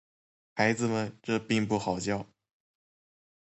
孩子们，这并不好笑。